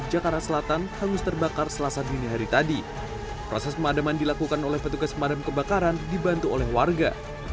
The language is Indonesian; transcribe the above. jadi tiba tiba aja langsung rame warga